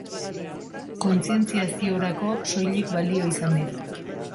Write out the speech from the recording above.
Kontzientziaziorako soilik balio izan dit.